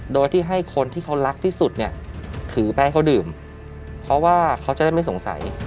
โดยที่ให้คนที่เขารักที่สุดเนี่ยถือไปให้เขาดื่มเพราะว่าเขาจะได้ไม่สงสัย